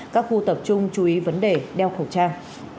các khu tập trung chú ý vấn đề đeo khẩu trang